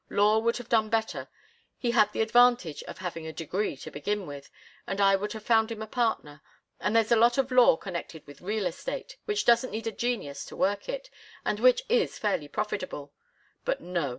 Law would have done better. He had the advantage of having a degree to begin with, and I would have found him a partner, and there's a lot of law connected with real estate which doesn't need a genius to work it, and which is fairly profitable. But no!